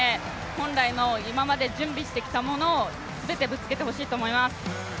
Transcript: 本来の今まで準備してきたものを全てぶつけてほしいと思います。